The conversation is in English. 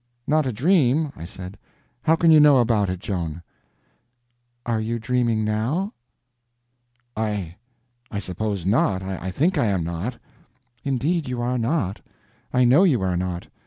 "Not a dream?" I said, "how can you know about it, Joan?" "Are you dreaming now?" "I—I suppose not. I think I am not." "Indeed you are not. I know you are not.